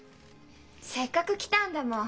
せっかく来たんだもん。